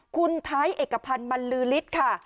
คุณไทยเอกพันธ์มันลือลิสต์ค่ะ